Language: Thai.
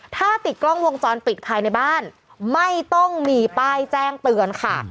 ถ้าติดกล้องวงจรปิดภายในบ้านไม่ต้องมีป้ายแจ้งเตือนค่ะ